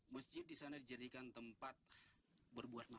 masjid disana dijadikan tempat berbuat maksyiat